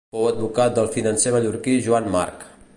Fou advocat del financer mallorquí Joan March.